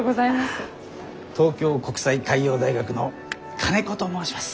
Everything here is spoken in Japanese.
東京国際海洋大学の金子と申します。